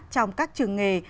trong các trường nghề